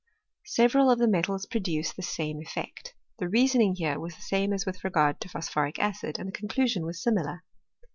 Several of the metals produce the same effect. The reasoning here was the same as with regard to phosphoric acid, and the conclusion was similar.